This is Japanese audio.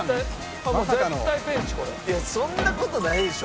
「いやそんな事ないでしょ」